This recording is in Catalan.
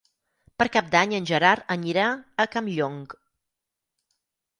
Per Cap d'Any en Gerard anirà a Campllong.